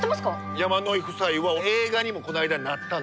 山野井夫妻は映画にもこの間なったんですよ。